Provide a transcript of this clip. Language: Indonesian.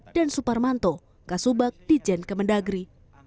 dan suparmanto kasubak dirjen kemendagri